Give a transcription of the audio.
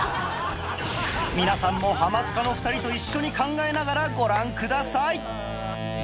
皆さんもハマスカの２人と一緒に考えながらご覧ください